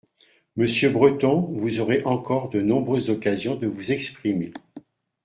Monsieur Breton, vous aurez encore de nombreuses occasions de vous exprimer.